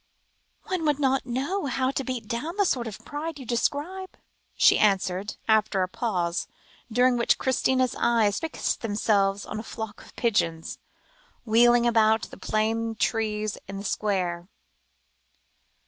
"One would not know how to beat down the sort of pride you describe," she answered, after a pause, during which Christina's eyes fixed themselves upon a flock of pigeons, wheeling about the plane trees in the square.